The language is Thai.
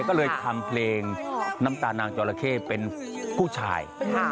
ก็เลยทำเพลงน้ำตานางจอละเข้เป็นผู้ชาย